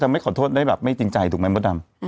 ไม่จริงใจถูกไหมบ้าดำ